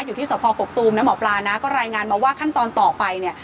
อยู่ที่สภกกตูมนะหมอปลานะก็รายงานมาว่าขั้นตอนต่อไปเนี่ย